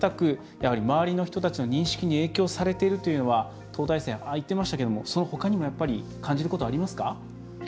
やはり周りの人たちの認識に影響されているというのは東大生、ああ言ってましたけどもそのほかにも、やっぱり感じることはありますか？